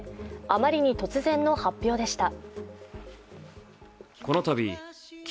あまりに突然の発表でした。